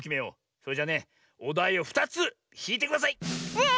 それじゃねおだいを２つひいてください！スイ！